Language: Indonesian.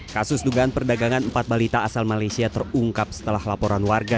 kasus dugaan perdagangan empat balita asal malaysia terungkap setelah laporan warga